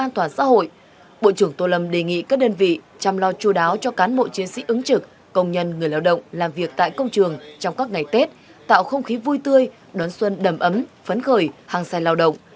trong các ngày tết tạo không khí vui tươi đón xuân đầm ấm phấn khởi hăng sai lao động